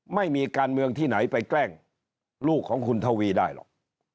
ไม่มีการเมืองที่ไหนไปแกล้งลูกของคุณทวีได้หรอก